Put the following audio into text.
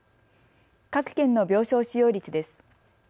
各県の病床使用率です。